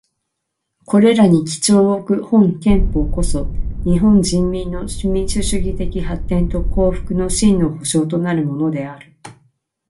これらに基調をおく本憲法こそ、日本人民の民主主義的発展と幸福の真の保障となるものである。